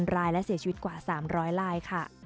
๑๖๐๐๐รายและเสียชีวิตกว่า๓๐๐ราย